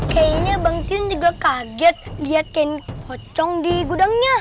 kayaknya bang tion juga kaget liat kayaknya pocong di gudangnya